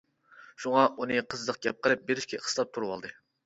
شۇڭا، ئۇنى «قىزىق گەپ» قىلىپ بېرىشكە قىستاپ تۇرۇۋالدى.